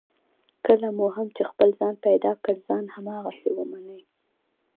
کله مو هم چې خپل ځان پیدا کړ، ځان هماغسې ومنئ.